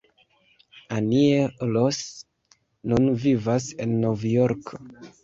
Annie Ross nun vivas en Novjorko.